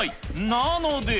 なので。